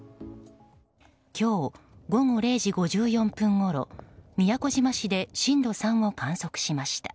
今日午後０時５４分ごろ宮古島市で震度３を観測しました。